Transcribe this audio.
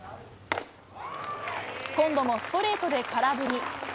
今度もストレートで空振り。